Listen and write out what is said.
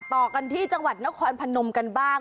ต่อกันที่จังหวัดนครพนมกันบ้าง